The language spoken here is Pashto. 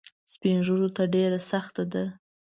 سپین ږیرو ته ډېره سخته ده.